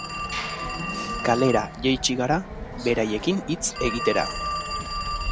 Kalera jaitsi gara berarekin hitz egitera.